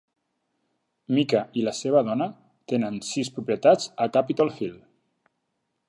Mica i la seva dona tenen sis propietats a Capitol Hill.